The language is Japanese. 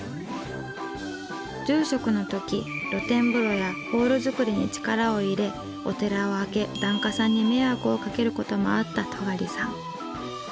住職の時露天風呂やホール造りに力を入れお寺を空け檀家さんに迷惑をかける事もあった尖さん。